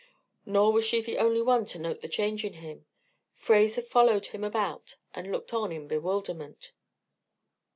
Nor was she the only one to note the change in him; Fraser followed him about and looked on in bewilderment.